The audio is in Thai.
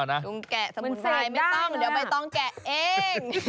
ไม่ต้องแกะเอง